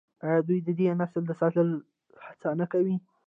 آیا دوی د دې نسل د ساتلو هڅه نه کوي؟